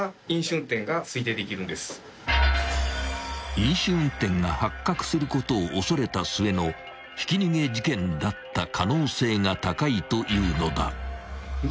［飲酒運転が発覚することを恐れた末のひき逃げ事件だった可能性が高いというのだ］